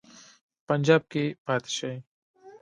په پنجاب کې پاته شي.